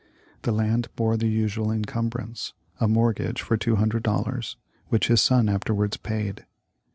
The land bore the usual incumbrance — a mortgage for two hundred dollars, which his son afterwards paid.